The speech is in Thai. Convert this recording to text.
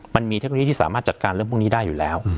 เทคโนโลยีที่สามารถจัดการเรื่องพวกนี้ได้อยู่แล้ว